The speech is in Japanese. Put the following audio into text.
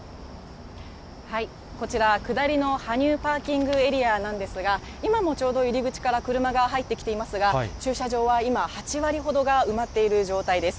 こちら、下りの羽生パーキングエリアなんですが、今もちょうど入り口から車が入ってきていますが、駐車場は今、８割ほどが埋まっている状態です。